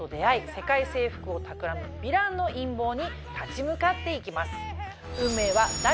世界征服をたくらむヴィランの陰謀に立ち向かっていきます。